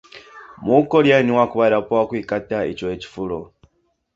He is the first Korean to hold that title.